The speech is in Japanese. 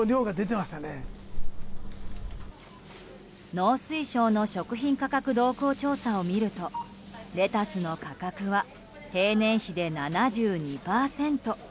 農水省の食品価格動向調査を見るとレタスの価格は平年比で７２％。